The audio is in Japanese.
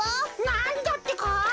なんだってか？